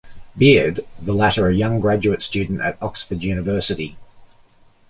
Beard, the latter a young graduate student at Oxford University.